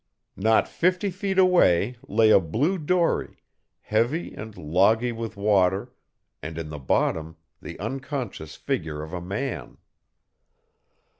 Not fifty feet away lay a blue dory, heavy and loggy with water, and in the bottom the unconscious figure of a man.